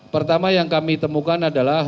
pertama yang kami temukan adalah